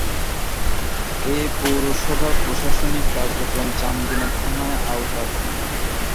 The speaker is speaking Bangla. এ পৌরসভার প্রশাসনিক কার্যক্রম চান্দিনা থানার আওতাধীন।